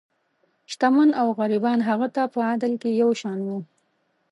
شتمن او غریبان هغه ته په عدل کې یو شان وو.